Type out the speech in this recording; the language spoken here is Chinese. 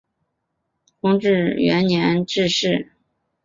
弘治元年致仕。